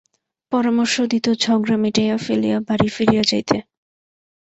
পরামর্শ দিত ঝগড়া মিটাইয়া ফেলিয়া বাড়ি ফিরিয়া যাইতে।